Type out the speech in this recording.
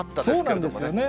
そうなんですよね。